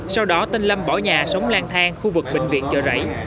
sau đó tên lâm bỏ nhà sống lan thang khu vực bệnh viện chợ rảy